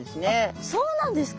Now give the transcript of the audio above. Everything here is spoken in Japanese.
あっそうなんですか？